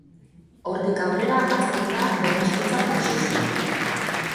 Hortik aurrera, hasten da ber-hezkuntza prozesua.